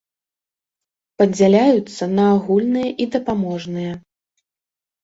Падзяляюцца на агульныя і дапаможныя.